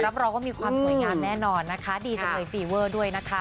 รับรองว่ามีความสวยงามแน่นอนนะคะดีจังเลยฟีเวอร์ด้วยนะคะ